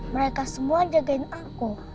mereka semua jagain aku